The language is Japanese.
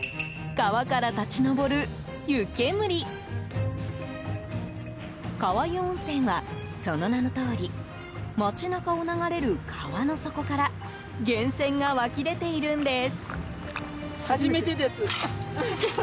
川湯温泉は、その名のとおり街中を流れる川の底から源泉が湧き出ているんです。